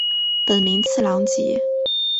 本名次郎吉。